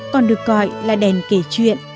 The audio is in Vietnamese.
còn được gọi là đèn kể chuyện